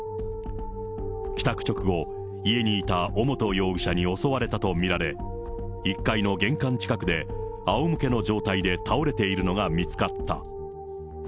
帰宅直後、家にいた尾本容疑者に襲われたと見られ、１階の玄関近くであおむけの状態で倒れているのが見つかった。